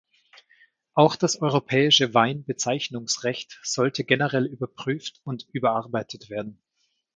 Auch das europäische Weinbezeichnungsrecht sollte generell überprüft und überarbeitet werden.